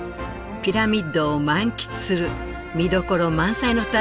ピラミッドを満喫する見どころ満載の旅。